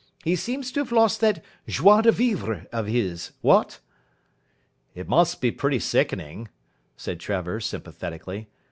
He seems to have lost that joie de vivre of his, what?" "It must be pretty sickening," said Trevor sympathetically.